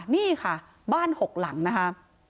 นี่ค่ะบ้านหกหลังนะคะ